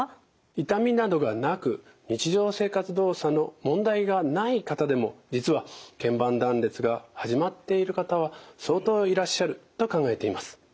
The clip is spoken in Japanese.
痛みなどがなく日常生活動作の問題がない方でも実はけん板断裂が始まっている方は相当いらっしゃると考えています。